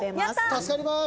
助かります！